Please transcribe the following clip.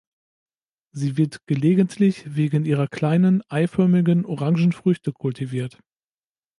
Sie wird gelegentlich wegen ihrer kleinen, eiförmigen, orangen Früchte kultiviert.